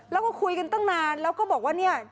แล้วก็คุยกันตั้งนานแล้วก็บอกว่าเนี่ย